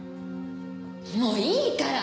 もういいから！